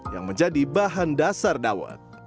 yang menjadi bahan dasar dawet